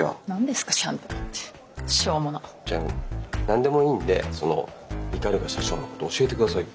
何でもいいんでその鵤社長のこと教えてください。